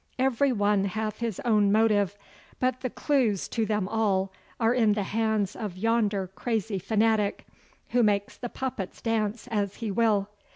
Every one hath his own motive, but the clues to them all are in the hands of yonder crazy fanatic, who makes the puppets dance as he will.